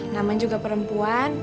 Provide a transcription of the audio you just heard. naman juga perempuan